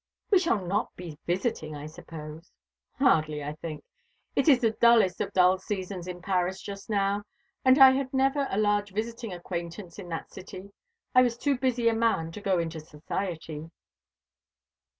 We shall not be visiting, I suppose?" "Hardly, I think. It is the dullest of dull seasons in Paris just now, and I had never a large visiting acquaintance in that city. I was too busy a man to go into society."